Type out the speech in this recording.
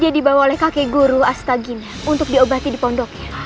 dia dibawa oleh kakek guru astagina untuk diobati di pondoknya